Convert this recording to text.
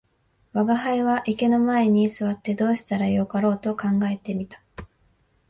吾輩は池の前に坐ってどうしたらよかろうと考えて見た